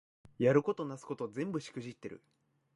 やることなすこと全部しくじってる